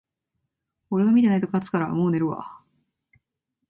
俺が見てないと勝つから、もう寝るわ